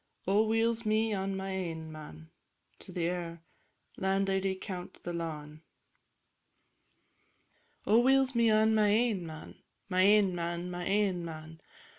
OH, WEEL'S ME ON MY AIN MAN. AIR "Landlady count the lawin'." Oh, weel's me on my ain man, My ain man, my ain man!